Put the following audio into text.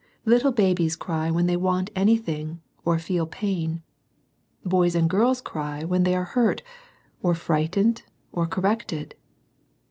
Little babies cry when they want anything, or feel pain. Boys and girls cry when they are hurt, or frightened, or corrected.